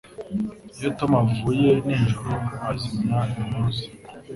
Iyo Tom avuye nijoro, azimya impuruza.